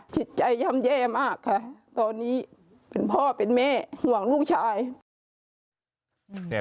จิตใจย่ำแย่มากค่ะตอนนี้เป็นพ่อเป็นแม่ห่วงลูกชาย